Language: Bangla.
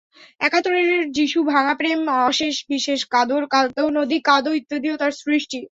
একাত্তরের যিশু, ভাঙা প্রেম, অশেষ বিশেষ, কাঁদো নদী কাঁদো ইত্যাদিও তাঁর সৃষ্টি।